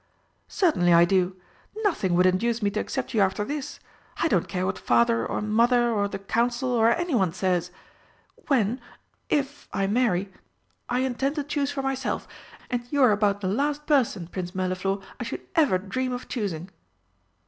"Certainly I do. Nothing would induce me to accept you after this! I don't care what Father and Mother or the Council or anyone says! When if I marry I intend to choose for myself. And you are about the last person, Prince Mirliflor, I should ever dream of choosing!"